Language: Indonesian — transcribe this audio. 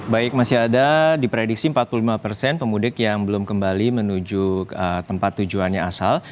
baik masih ada diprediksi empat puluh lima persen pemudik yang belum kembali menuju tempat tujuannya asal